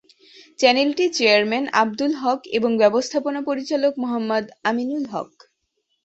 চ্যানেলটির চেয়ারম্যান আব্দুল হক এবং ব্যবস্থাপনা পরিচালক মোহাম্মদ আমিনুল হক।